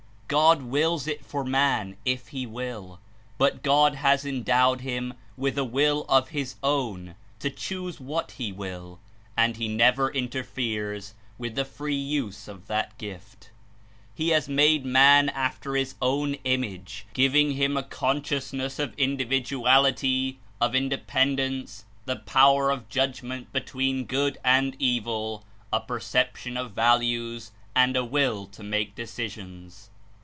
God wills it for man, if he will, but God has endowed him with a will of his own to choose what he will, and he never interferes with the ^^^!: free use of that gift. He has made man after his own image, giving him a pow sciousness of individuality, of independence, the pow 128 er of judgment between good and evil, a perception of values and a will to make decisions.